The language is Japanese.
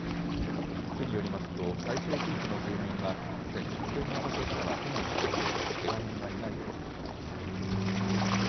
区によりますと、対象地域の住民はすでに危険な場所からは避難していて、けが人はいないということです。